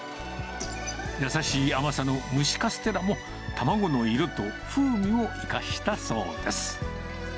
優しい甘さの蒸しカステラも、卵の色と風味を生かしたそうです。